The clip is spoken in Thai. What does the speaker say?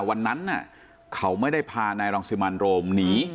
วันนั้นเขาไม่ได้พานายรังสิมันโรมหนี